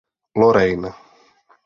Lorraine.